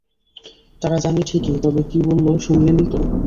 তারা জানে ঠিকই তবে কী বলল শুনলেনই তো!